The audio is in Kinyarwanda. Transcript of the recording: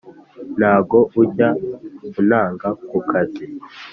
Ntago ujya untanga ku kazi